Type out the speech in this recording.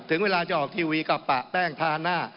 ถึงเวลาจะออกทีวีก็ปะแป้งทาหน้า